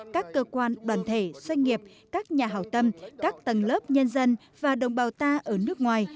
các cơ quan đoàn thể doanh nghiệp các nhà hào tâm các tầng lớp nhân dân và đồng bào ta ở nước ngoài